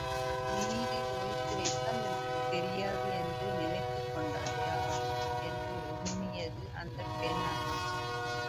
நீரில் ஒளித்து வைத்தால் எனக்குத் தெரியாது என்று நினைத்துக் கொண்டாயா என்று உருமியது அந்தப் பெண் அன்னம்.